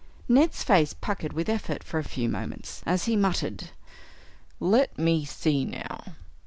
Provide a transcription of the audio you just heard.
Ned's face puckered with effort for a few moments, as he muttered: "Let me see, now.